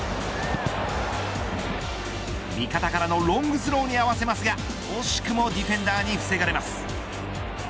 味方からのロングスローに合わせますが惜しくもディフェンダーに防がれます。